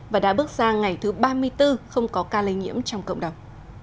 và đã bước sang ngày thứ ba mươi bốn không có ca lây nhiễm trong cộng đồng